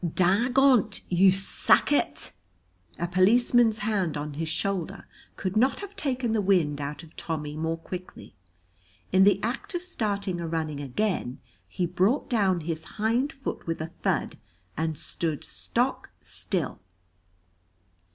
"Dagont, you sacket!" cried some wizard. A policeman's hand on his shoulder could not have taken the wind out of Tommy more quickly. In the act of starting a running again he brought down his hind foot with a thud and stood stock still.